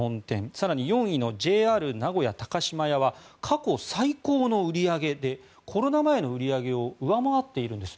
更に、４位のジェイアール名古屋タカシマヤは過去最高の売り上げでコロナ前の売り上げを上回っているんです。